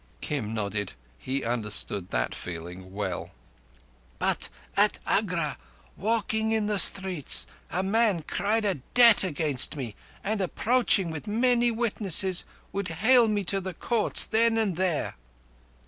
Kim nodded. He understood that feeling well. "But at Agra, walking in the streets, a man cried a debt against me, and approaching with many witnesses, would hale me to the courts then and there.